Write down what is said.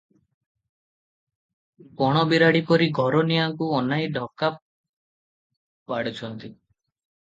ବଣ ବିରାଡ଼ି ପରି ଘରନିଆଁକୁ ଅନାଇ ଡକା ପାଡୁଛନ୍ତି ।